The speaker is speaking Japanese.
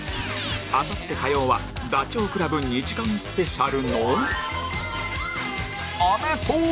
あさって火曜はダチョウ倶楽部２時間スペシャルの